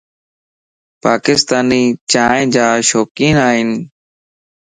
پاڪستاني چائن جا شوقين ائين.